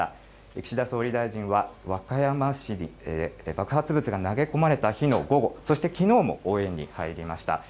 岸田総理大臣は和歌山市に、爆発物が投げ込まれた日の午後、そしてきのうも応援に入りました。